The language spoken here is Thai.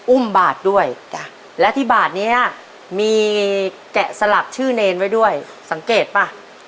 อุ้มบาทด้วยจ้ะและที่บาทเนี้ยมีแกะสลักชื่อเนรไว้ด้วยสังเกตป่ะ